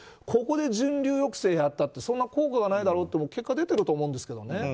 ここで人流抑制をやったって効果がないだろうと結果出てると思うんですけどね。